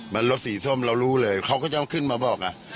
มันรถสีส้มเรารู้เลยเขาก็จะเอาขึ้นมาบอก